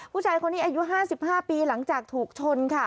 ผู้ชายคนนี้อายุ๕๕ปีหลังจากถูกชนค่ะ